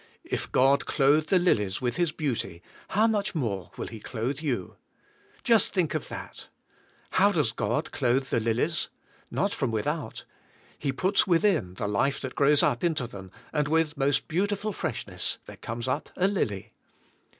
If God clothe the lilies with His beauty how much more will He clothe you ? Just think of that. How does God clothe the lilies? Not from without. He puts within the life that grows up into them and with most beautiful freshness there comes up a lily.